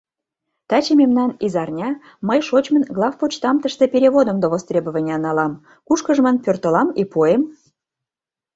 Таче мемнан изарня, мый шочмын главпочтамтыште переводым до востребования налам, кушкыжмын пӧртылам и пуэм.